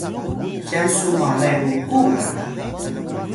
cyan su maray ruku ga?